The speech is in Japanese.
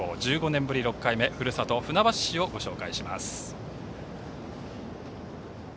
１５年ぶり６回目ふるさとの船橋市をご紹介します。